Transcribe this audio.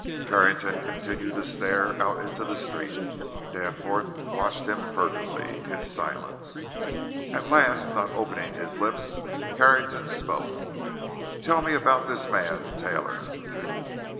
Carrington continued to stare out into the street. Danforth watched him furtively, in silence. At last, not opening his lips, Carrington spoke: "Tell me about this man, Taylor."